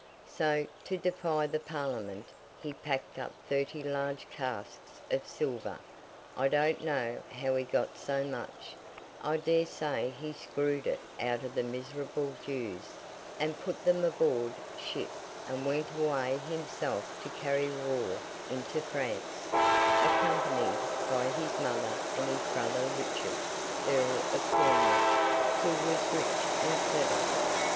So, to defy the Parliament, he packed up thirty large casks of silver—I don't know how he got so much; I dare say he screwed it out of the miserable Jews—and put them aboard ship, and went away himself to carry war into France: accompanied by his mother and his brother Richard, Earl of Cornwall, who was rich and clever.